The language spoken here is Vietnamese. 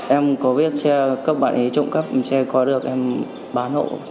em có viết xe cấp bản ý trộm cắp xe có được em bán hộ